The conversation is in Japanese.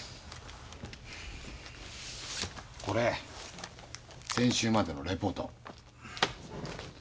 これ先週までのレポート。